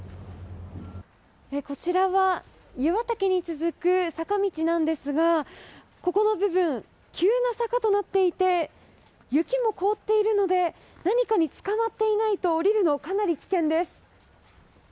こちらは湯畑に続く坂道ですが急な坂となっていて雪も凍っているので何かにつかまっていないと下りるの、かなり危険です。